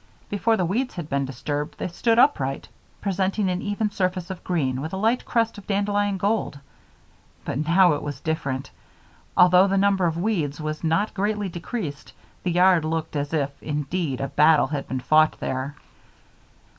Before the weeds had been disturbed they stood upright, presenting an even surface of green with a light crest of dandelion gold. But now it was different. Although the number of weeds was not greatly decreased, the yard looked as if, indeed, a battle had been fought there.